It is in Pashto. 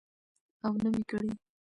او نه مې کړى.